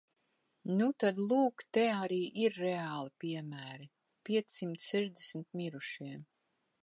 Nu tad lūk te arī ir reāli piemēri – piecsimt sešdesmit mirušie.